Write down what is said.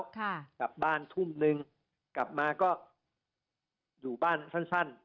กลับบ้านทุ่มนึงกลับมาก็อยู่บ้านสั้นสั้น